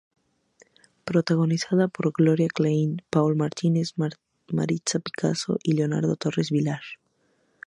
Protagonizada por Gloria Klein, Paul Martin, Maritza Picasso y Leonardo Torres Vilar.